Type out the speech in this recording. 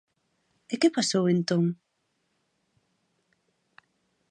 ¿E que pasou entón?